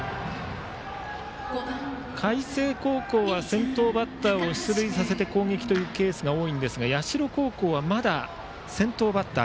海星高校は先頭バッターを出塁させて攻撃というケースが多いんですが社高校はまだ先頭バッター